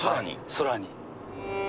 空に。